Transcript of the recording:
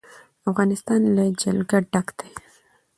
افغانستان له جلګه ډک دی.